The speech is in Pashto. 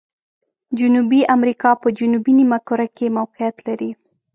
جنوبي امریکا په جنوبي نیمه کره کې موقعیت لري.